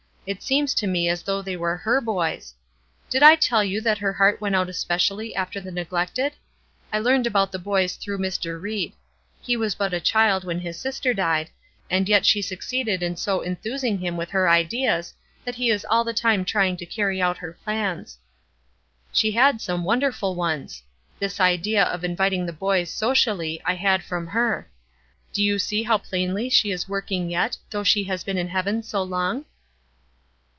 It seems to me as though they were her boys. Did I tell you that her heart went out especially after the neglected? I learned about the boys through Mr. Ried. He was but a child when his sister died, and yet she succeeded in so enthusing him with her ideas that he is all the time trying to carry out her plans. She had some wonderful ones. This idea of inviting the boys, socially, I had from her. Do you see how plainly she is working yet, though she has been in heaven so long?"